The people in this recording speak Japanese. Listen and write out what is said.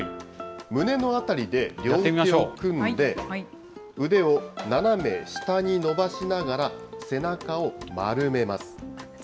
胸の辺りで両手を組んで、腕を斜め下に伸ばしながら背中を丸めます。